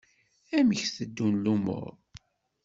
Amek teddun lmuṛ?